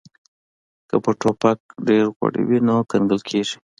که په ټوپک ډیر غوړي وي نو کنګل کیږي